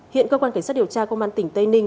hiện cơ quan cảnh sát điều tra công an tỉnh tây ninh